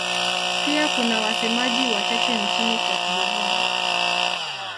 Pia kuna wasemaji wachache nchini Cote d'Ivoire.